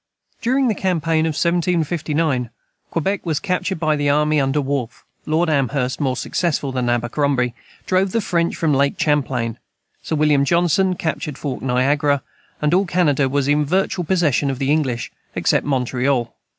During the campaign of 1759, Quebec was captured by the army under Wolfe; Lord Amherst, more successful than Abercrombie, drove the French from Lake Champlain; Sir William Johnson captured Fort Niagara; and all Canada was in virtual possession of the English, except Montreal.